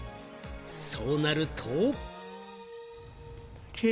そうなると。